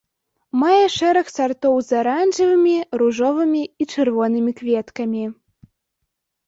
Мае шэраг сартоў з аранжавымі, ружовымі і чырвонымі кветкамі.